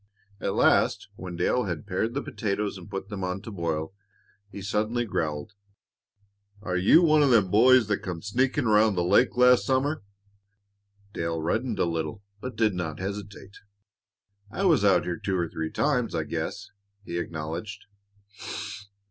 At last, when Dale had pared the potatoes and put them on to boil, he suddenly growled, "Are you one of them boys that come sneakin' around the lake last summer?" Dale reddened a little, but did not hesitate. "I was out here two or three times, I guess," he acknowledged.